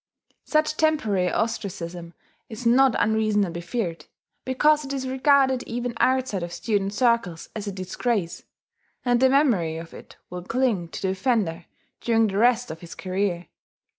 Such temporary ostracism is not unreasonably feared, because it is regarded even outside of student circles as a disgrace; and the memory of it will cling to the offender during the rest of his career.